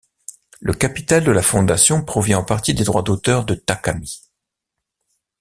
Le capital de la fondation provient en partie des droits d'auteur de Takami.